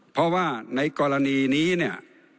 เพราะว่าในกรณีนี้เนี่ย